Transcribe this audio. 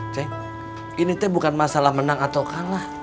ceng ini bukan masalah menang atau kalah